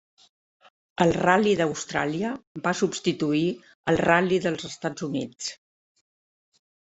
El ral·li d'Austràlia va substituir el ral·li dels Estats Units.